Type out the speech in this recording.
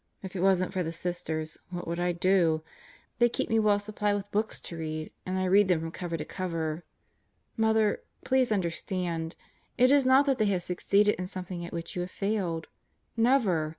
If it wasn't for the Sisters, what would I do? They keep me well supplied with books to read, and I read them from cover to cover. ... Mother, please understand, it is not that they have succeeded in something at which you have failed. Never!